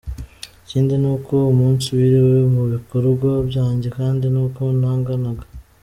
Ikindi ni uko umunsi wiriwe mu bikorwa byanjye kandi n’uko nanganaga.